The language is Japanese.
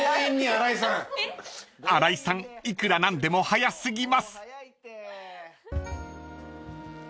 ［新井さんいくら何でも早過ぎます！］